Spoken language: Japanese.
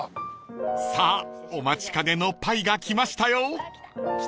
［さあお待ちかねのパイが来ましたよ］